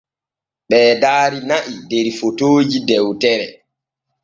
Ɓee daari na’i der fotooji dewtere.